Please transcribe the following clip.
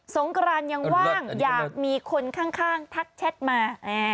งกรานยังว่างอยากมีคนข้างทักแชทมา